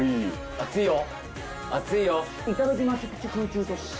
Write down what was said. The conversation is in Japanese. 熱いよ！